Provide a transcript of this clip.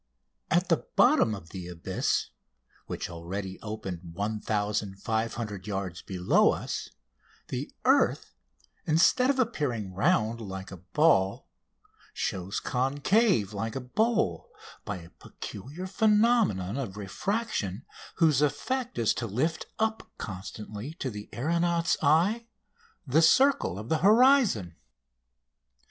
At the bottom of the abyss, which already opened 1500 yards below us, the earth, instead of appearing round like a ball, shows concave like a bowl by a peculiar phenomenon of refraction whose effect is to lift up constantly to the aeronaut's eyes the circle of the horizon.